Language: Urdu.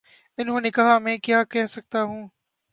انہوں نے کہا: میں کیا کہہ سکتا ہوں۔